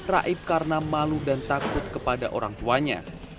raib karena malu dan takut kepada orang tuanya